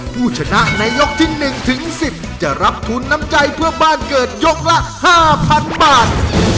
ผู้ชนะในยกที่หนึ่งถึงสิบจะรับทุนน้ำใจเพื่อบ้านเกิดยกละห้าพันบาท